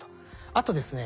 あとですね